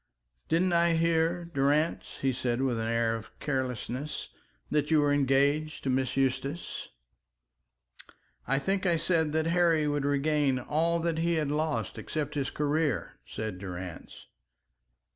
"Didn't I hear, Durrance," he said with an air of carelessness, "that you were engaged to Miss Eustace?" "I think I said that Harry would regain all that he had lost except his career," said Durrance.